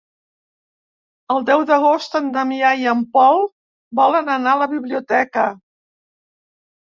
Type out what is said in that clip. El deu d'agost en Damià i en Pol volen anar a la biblioteca.